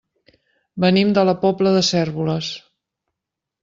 Venim de la Pobla de Cérvoles.